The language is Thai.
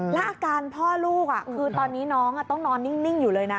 แล้วอาการพ่อลูกคือตอนนี้น้องต้องนอนนิ่งอยู่เลยนะ